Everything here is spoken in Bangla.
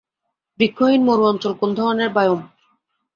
বৃক্ষহীন মরু অঞ্চল কোন ধরনের বায়োম?